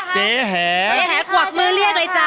เจ๊แห๊กว่ากมือเรียกเลยจ้ะ